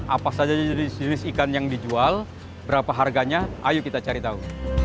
apa saja jenis jenis ikan yang dijual berapa harganya ayo kita cari tahu